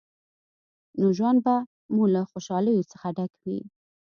نو ژوند به مو له خوشحالیو څخه ډک وي.